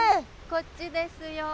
こっちですよ。